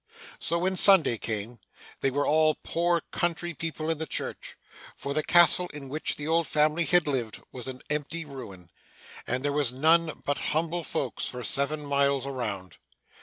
So, when Sunday came. They were all poor country people in the church, for the castle in which the old family had lived, was an empty ruin, and there were none but humble folks for seven miles around.